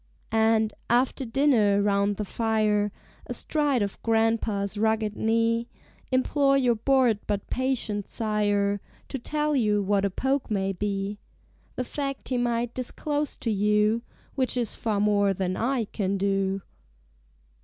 And, after dinner, round the fire, Astride of Grandpa's rugged knee, Implore your bored but patient sire To tell you what a Poke may be. The fact he might disclose to you Which is far more than I can do.